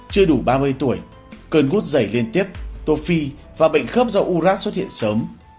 chưa đủ ba mươi tuổi cơn gút dày liên tiếp tô phi và bệnh khớp do uric xuất hiện sớm